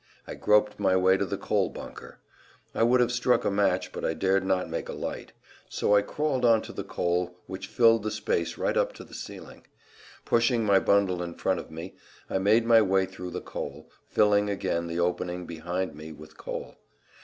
I groped my way to the coal bunker. I would have struck a match, but I dared not make a light. So I crawled onto the coal which filled the space right up to the ceiling. Pushing my bundle in front of me I made my way through the coal, filling again the opening behind me with coal.